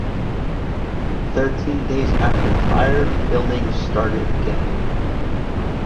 Thirteen days after the fire, filming started again.